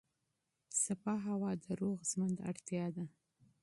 پاکه هوا د روغ ژوند اړتیا ده.